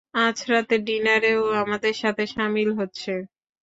আজ রাতে ডিনারে ও আমাদের সাথে শামিল হচ্ছে!